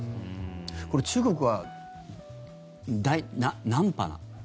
これ、中国は第何波なの？